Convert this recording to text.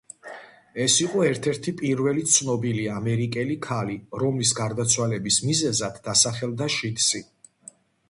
ის იყო ერთ-ერთი პირველი ცნობილი ამერიკელი ქალი, რომლის გარდაცვალების მიზეზად დასახელდა შიდსი.